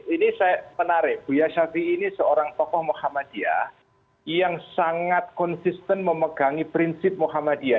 ini saya menarik buya ⁇ shafii ⁇ ini seorang tokoh muhammadiyah yang sangat konsisten memegangi prinsip muhammadiyah